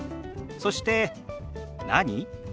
そして「何？」。